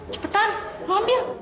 cepetan mau ambil